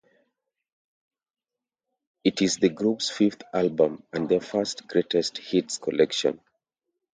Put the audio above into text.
It is the group's fifth album and their first greatest hits collection.